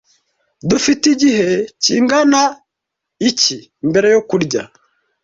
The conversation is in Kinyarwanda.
Dufite igihe kingana iki mbere yo kurya?